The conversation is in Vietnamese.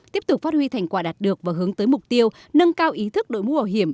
tiếp tục phát huy thành quả đạt được và hướng tới mục tiêu nâng cao ý thức đội mũ bảo hiểm